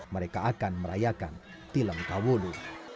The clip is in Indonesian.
mereka akan merayakan tilem kawulu